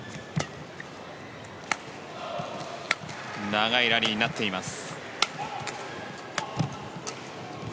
長いラリーになっています。